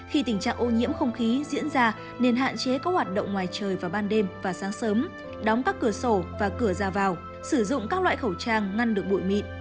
khi tình trạng ô nhiễm không khí diễn ra nên hạn chế các hoạt động ngoài trời vào ban đêm và sáng sớm đóng các cửa sổ và cửa ra vào sử dụng các loại khẩu trang ngăn được bụi mịn